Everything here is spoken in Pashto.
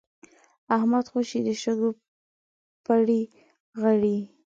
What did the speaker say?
احمد خوشی د شګو پړي غړي.